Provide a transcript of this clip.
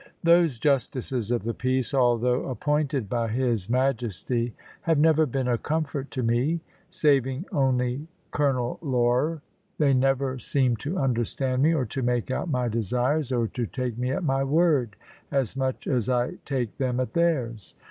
Those justices of the peace, although appointed by his Majesty, have never been a comfort to me, saving only Colonel Lougher. They never seem to understand me, or to make out my desires, or to take me at my word, as much as I take them at theirs.